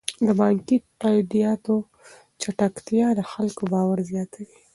د بانکي تادیاتو چټکتیا د خلکو باور زیاتوي.